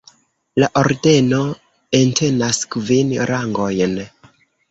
La ordeno entenas kvin rangojn.